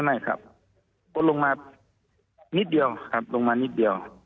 ไม่ครับก็ลงมานิดเดียวครับลงมานิดเดียว